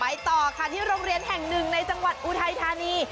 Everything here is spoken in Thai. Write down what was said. ต่อค่ะที่โรงเรียนแห่งหนึ่งในจังหวัดอุทัยธานี